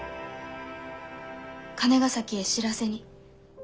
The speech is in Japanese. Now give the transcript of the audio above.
金ヶ崎へ知らせに。